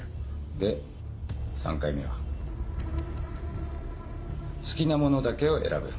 で３回目は好きなものだけを選ぶ。